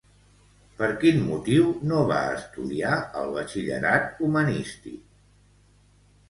Per quin motiu no va estudiar el batxillerat humanístic?